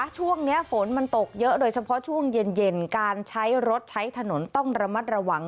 ช่วงนี้ฝนมันตกเยอะโดยเฉพาะช่วงเย็นการใช้รถใช้ถนนต้องระมัดระวัง